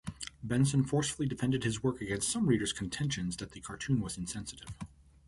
Benson forcefully defended his work against some readers' contentions that the cartoon was insensitive.